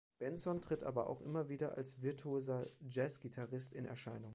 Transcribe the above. Benson tritt aber auch immer wieder als virtuoser Jazzgitarrist in Erscheinung.